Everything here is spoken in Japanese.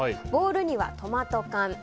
ボウルにはトマト缶